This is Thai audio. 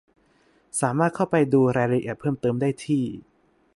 สามารถเข้าไปดูรายละเอียดเพิ่มเติมได้ที่